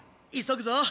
急ぐぞ！